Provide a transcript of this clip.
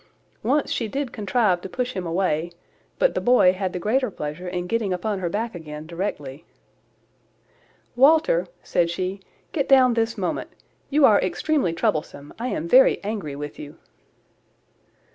Once she did contrive to push him away, but the boy had the greater pleasure in getting upon her back again directly. "Walter," said she, "get down this moment. You are extremely troublesome. I am very angry with you."